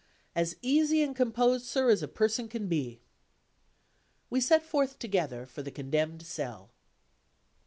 "As easy and composed, sir, as a person can be." We set forth together for the condemned cell.